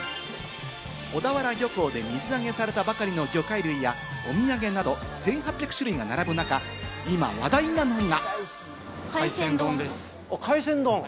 小田原漁港で水揚げされたばかりの魚介類やお土産など１８００種類が並ぶ中、今、話題なのが。